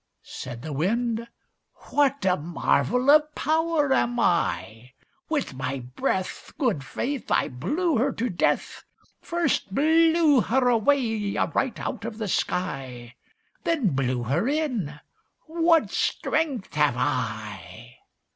Said the Wind "What a marvel of power am I! With my breath, Good faith! I blew her to death First blew her away right out of the sky Then blew her in; what strength have I!"